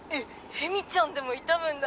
ヘミちゃんでも痛むんだ」